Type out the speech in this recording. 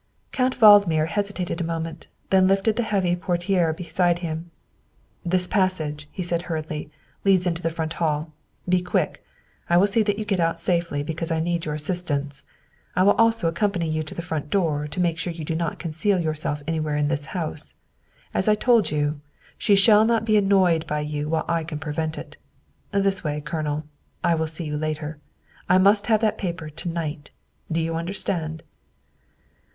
'' Count Valdmir hesitated a moment, then lifted the heavy portiere beside him. " This passage," he said hurriedly, " leads into the front hall. Be quick. I will see that you get out safely because I need your assistance; I will also accompany you to the front door to make sure you do not conceal yourself anywhere in this house. As I told you, she shall not be annoyed by you while I can prevent it. This way, Colonel. I will see you later. I must have that paper to night. Do you understand?"